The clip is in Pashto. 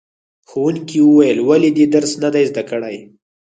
ښوونکي وویل ولې دې درس نه دی زده کړی؟